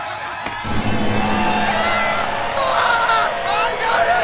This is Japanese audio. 上がるー！